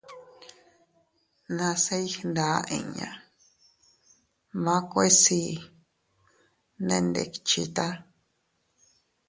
Nase iygnda inña, makue sii nee ndikchita.